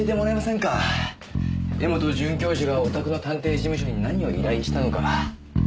柄本准教授がおたくの探偵事務所に何を依頼したのか。